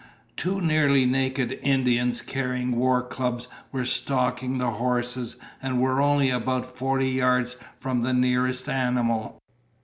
Two nearly naked Indians carrying war clubs were stalking the horses and were only about forty yards from the nearest animal.